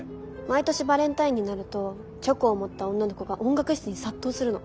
毎年バレンタインになるとチョコを持った女の子が音楽室に殺到するの。